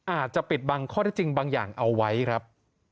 อาจจะปิดบังข้อได้จริงบางอย่างเอาไว้ครับ